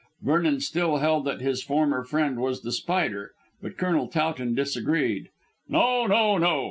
Vernon still held that his former friend was The Spider, but Colonel Towton disagreed. "No! No!